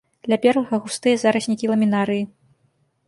Ля берага густыя зараснікі ламінарыі.